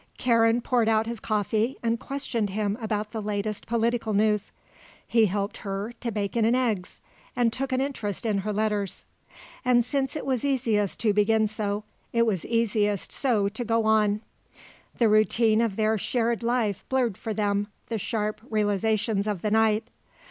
Karen poured out his coffee and questioned him about the latest political news. He helped her to eggs and bacon and took an interest in her letters. And since it was easiest to begin so, it was easiest so to go on. The routine of their shared life blurred for them the sharp realisations of the night.